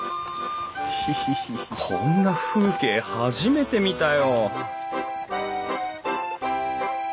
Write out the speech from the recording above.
こんな風景初めて見たよ